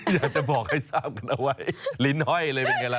อยากจะบอกให้ทราบกันเอาไว้ลิ้นห้อยเลยเป็นไงล่ะ